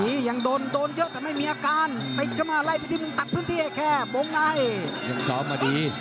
นี่ยังโดนเยอะแต่ไม่มีอาการตะเข้ามาไล่ไปที่มึงตัดพื้นที่แอคแคร์โบ๊งไล่ยังซ้อมมาดี